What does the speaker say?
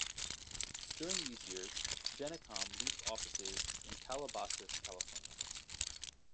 During these years, Genicom leased offices in Calabasas, California.